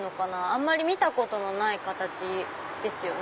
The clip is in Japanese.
あんまり見たことのない形ですよね。